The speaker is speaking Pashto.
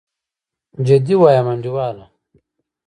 جدي وايم انډيواله.